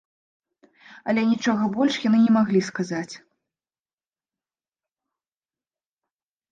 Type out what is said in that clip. Але нічога больш яны не маглі сказаць.